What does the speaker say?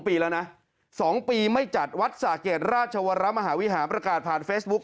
ปีแล้วนะ๒ปีไม่จัดวัดสะเกดราชวรมหาวิหารประกาศผ่านเฟซบุ๊ค